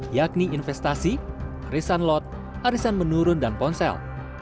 yakni investasi arisan lot arisan menurun dan ponsel